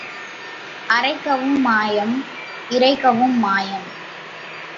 அரைக்கவும் மாயம் இரைக்கவும் மாயம்.